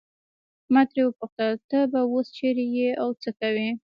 ما ترې وپوښتل ته به اوس چیرې یې او څه کوې.